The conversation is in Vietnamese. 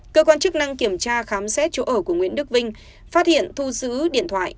cơ quan chức năng kiểm tra khám xét chỗ ở của nguyễn đức vinh phát hiện thu giữ điện thoại